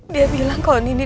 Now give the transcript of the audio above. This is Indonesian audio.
dia bilang kalau nini